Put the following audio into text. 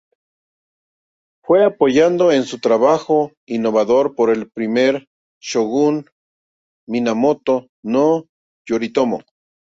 Fue apoyado en su trabajo innovador por el primer shōgun Minamoto no Yoritomo.